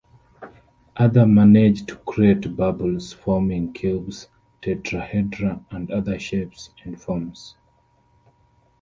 Others manage to create bubbles forming cubes, tetrahedra and other shapes and forms.